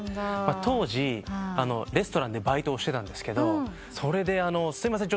当時レストランでバイトをしてたんですけどそれで「すいません。